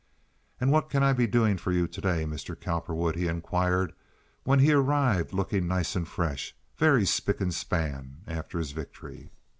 "And what can I be doing for you to day, Mr. Cowperwood?" he inquired, when he arrived looking nice and fresh, very spick and span after his victory.